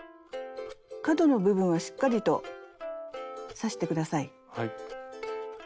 角の部分はしっかりと刺して下さい。